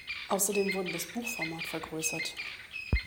Außerdem wurde das Buchformat vergrößert.